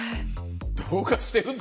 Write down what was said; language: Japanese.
どうかしてるで。